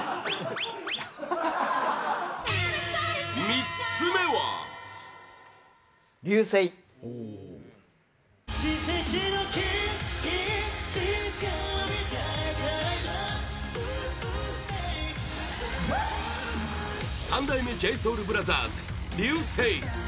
３つ目は三代目ＪＳＯＵＬＢＲＯＴＨＥＲＳ「Ｒ．Ｙ．Ｕ．Ｓ．Ｅ．Ｉ．」